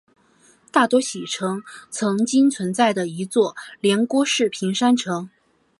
大多喜城曾经存在的一座连郭式平山城。